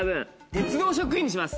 鉄道職員にします。